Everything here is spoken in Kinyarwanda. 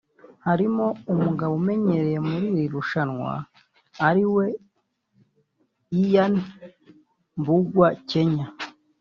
harimo umugabo umenyerewe muri iri rushanwa ariwe Ian Mbugua(Kenya)